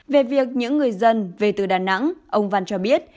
về việc những người dân về từ đà nẵng ông văn cho biết